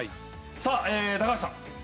さあ高橋さん。